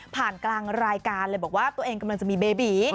กลางรายการเลยบอกว่าตัวเองกำลังจะมีเบบี